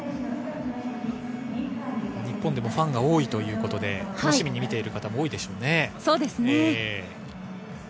日本でもファンが多いということで楽しみに見ている方も多いでしょうね。